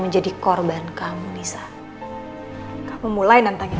menjadi kondisi yang menyebabkan kelebihan kita di dunia ini maka saya akan menjaga keindahan anda